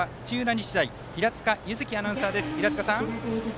日大平塚柚希アナウンサーです。